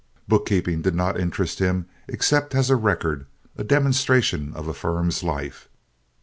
Bookkeeping did not interest him except as a record, a demonstration of a firm's life.